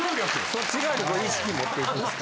・そっち側に意識持っていく？